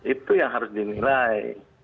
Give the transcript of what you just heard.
itu yang harus dinilai